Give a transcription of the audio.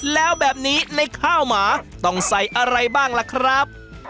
แล้วแบบนี้ในข้าวหมาต้องใส่อะไรบ้างล่ะครับ